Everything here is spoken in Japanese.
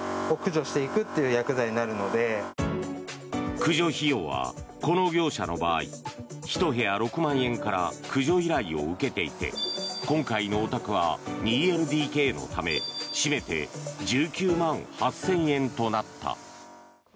駆除費用は、この業者の場合１部屋６万円から駆除依頼を受けていて今回のお宅は２ＬＤＫのためしめて１９万８０００円となった。